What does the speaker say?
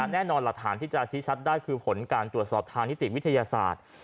แน่นอนหลักฐานที่จะชี้ชัดได้คือผลการตรวจสอบทางนิติวิทยาศาสตร์